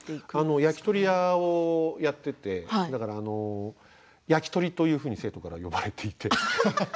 焼き鳥屋をやっていて焼き鳥というふうに生徒からは呼ばれていて。